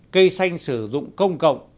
cây xanh sử dụng công cộng